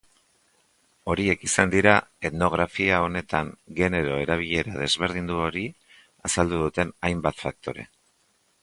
Horiek izan dira etnografia honetan genero-erabilera desberdindu hori azaldu duten hainbat faktore.